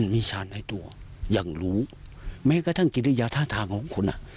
มีสารในตัวอย่างรู้แม้กระทั่งกิริยาท่าทางของคุณอ่ะ